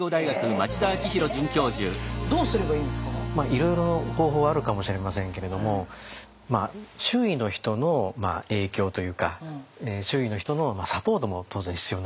いろいろ方法はあるかもしれませんけれども周囲の人の影響というか周囲の人のサポートも当然必要になりますよね。